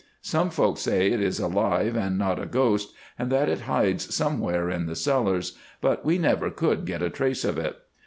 Some folks say it is alive and not a ghost, and that it hides somewhere in the cellars, but we never could get a trace of it.